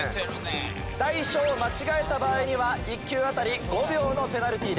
大小間違えた場合には１球あたり５秒のペナルティーです。